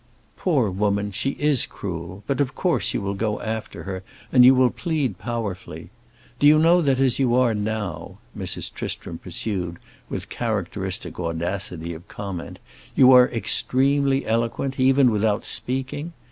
"Poor woman, she is cruel. But of course you will go after her and you will plead powerfully. Do you know that as you are now," Mrs. Tristram pursued, with characteristic audacity of comment, "you are extremely eloquent, even without speaking?